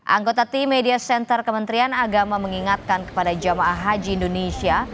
anggota tim media center kementerian agama mengingatkan kepada jamaah haji indonesia